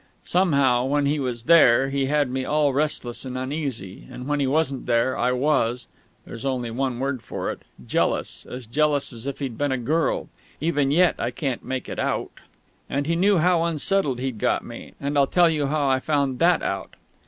Somehow, when he was there, he had me all restless and uneasy; and when he wasn't there I was (there's only the one word for it) jealous as jealous as if he'd been a girl! Even yet I can't make it out.... And he knew how unsettled he'd got me; and I'll tell you how I found that out.